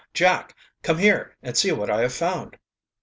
Jack! Come here and see what I have found!"